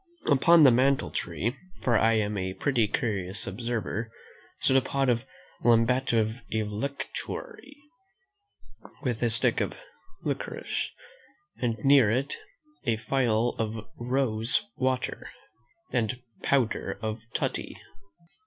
Upon the mantle tree, for I am a pretty curious observer, stood a pot of lambative electuary, with a stick of liquorice, and near it a phial of rose water, and powder of tutty.